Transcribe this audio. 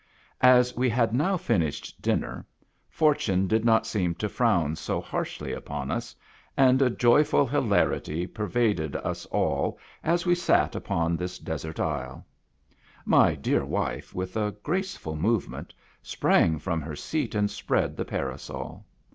As we had now finished dinner, fortune did not seem to frown so harshly upon us, and a joy ful hilarity pervaded us all as we sat upon this desert isle. My dear wife, with a graceful movement, sprang from her seat and spread the parasol.